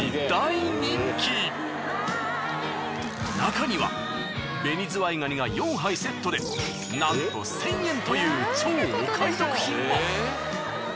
なかには紅ズワイガニが４杯セットでなんと１，０００円という超お買い得品も。